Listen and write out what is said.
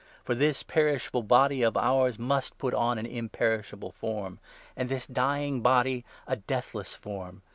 For this 53 perishable body of ours must put on an imperishable form, and this dying body a deathless form.